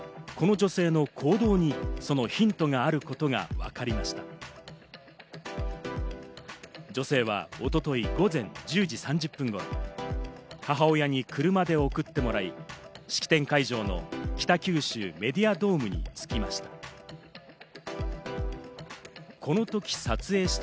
女性は一昨日午前１０時３０分頃、母親に車で送ってもらい、式典会場の北九州メディアドームに着きました。